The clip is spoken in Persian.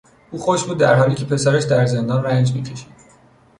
او خوش بود درحالیکه پسرش در زندان رنج میکشید.